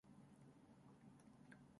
Thus, Panahabad-Shusha was founded.